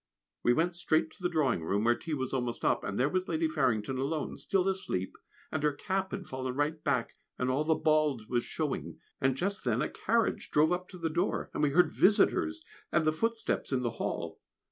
We went straight to the drawing room, where tea was almost up, and there was Lady Farrington alone still asleep, and her cap had fallen right back, and all the bald was showing; and just then a carriage drove up to the door, and we heard visitors and the footsteps in the hall.